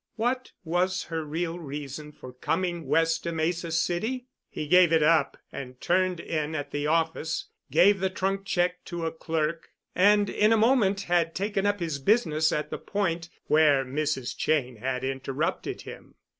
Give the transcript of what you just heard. What was her real reason for coming West to Mesa City? He gave it up and turned in at the office, gave the trunk check to a clerk, and in a moment had taken up his business at the point where Mrs. Cheyne had interrupted him.